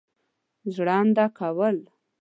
ژرنده کول.